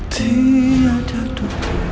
tidak ada tukang